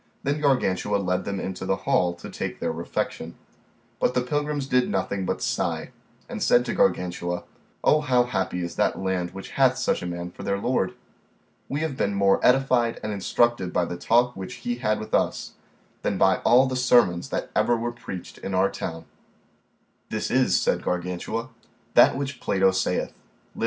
Then Gargantua led them into the hall to take their refection; but the pilgrims did nothing but sigh, and said to Gargantua, O how happy is that land which hath such a man for their lord! We have been more edified and instructed by the talk which he had with us, than by all the sermons that ever were preached in our town. This is, said Gargantua, that which Plato saith, Lib.